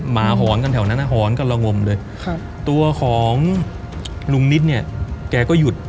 หอนกันแถวนั้นหอนกันละงมเลยครับตัวของลุงนิดเนี่ยแกก็หยุด